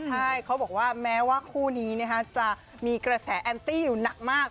ใช่เขาบอกว่าแม้ว่าคู่นี้จะมีกระแสแอนตี้อยู่หนักมาก